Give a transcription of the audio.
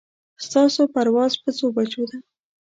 ستاسو پرواز په څو بجو ده